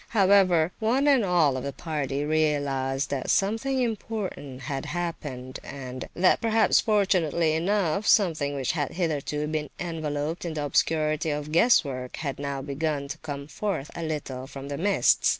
However, one and all of the party realized that something important had happened, and that, perhaps fortunately enough, something which had hitherto been enveloped in the obscurity of guess work had now begun to come forth a little from the mists.